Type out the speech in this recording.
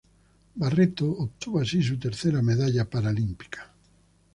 Barreto obtuvo así su tercera medalla paralímpica.